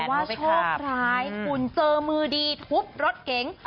แต่ว่าโชคร้ายถุนเจอมือดีกุลรถเก๋ง